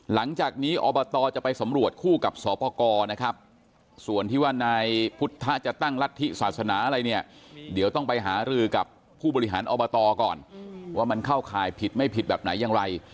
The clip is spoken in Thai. หลังจากนี้อบตจะไปสำรวจคู่กับสปกรนะครับส่วนที่ว่านายพุทธจะตั้งรัฐธิศาสนาอะไรเนี่ยเดี๋ยวต้องไปหารือกับผู้บริหารอบตก่อนว่ามันเข้าข่ายผิดไม่ผิดแบบไหนอย่างไร